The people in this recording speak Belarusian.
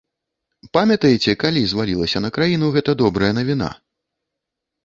Памятаеце, калі звалілася на краіну гэта добрая навіна?